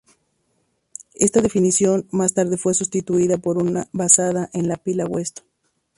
Esta definición más tarde fue sustituida por una basado en la pila Weston.